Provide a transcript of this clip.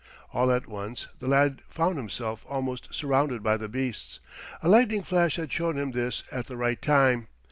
All at once the lad found himself almost surrounded by the beasts. A lightning flash had shown him this at the right time.